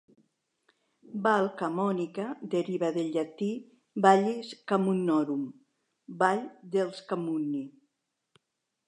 "Val Camonica" deriva del llatí "Vallis Camunnorum", "Vall dels Camunni".